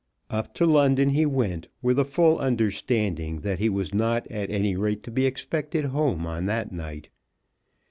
Up to London he went with a full understanding that he was not at any rate to be expected home on that night.